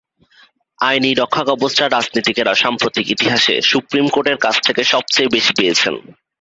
আইনি রক্ষাকবচটা রাজনীতিকেরা সাম্প্রতিক ইতিহাসে সুপ্রিম কোর্টের কাছ থেকে সবচেয়ে বেশি পেয়েছেন।